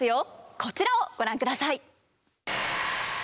こちらをご覧下さい！